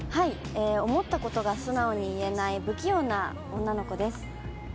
思ったことが素直に言えない不器用な女の子です。